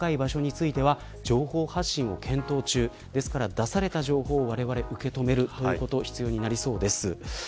出された情報をわれわれが受け止めることが必要になりそうです。